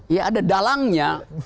ya ada dalangnya